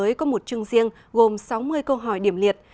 học viên có một chương riêng gồm sáu mươi câu hỏi điểm liệt